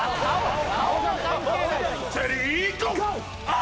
あ！